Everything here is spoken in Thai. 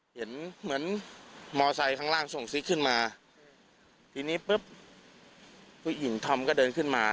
เห็นเหมือนมอไซค์ข้างล่างส่งซิกขึ้นมาทีนี้ปุ๊บผู้หญิงธอมก็เดินขึ้นมา